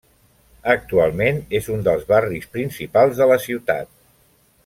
Actualment, és un dels barris principals de la ciutat.